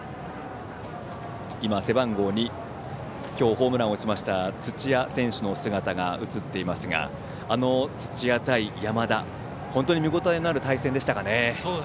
背番号２、今日ホームランを打ちました土屋選手の姿が映っていますが土屋対山田、本当に見応えのある対戦でしたね。